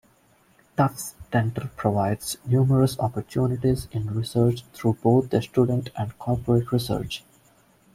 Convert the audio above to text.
Tufts Dental provides numerous opportunities in research through both their student and corporate research.